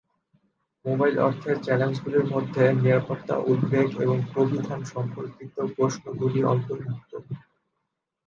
Mobile অর্থের চ্যালেঞ্জগুলির মধ্যে নিরাপত্তা উদ্বেগ এবং প্রবিধান সম্পর্কিত প্রশ্নগুলি অন্তর্ভুক্ত।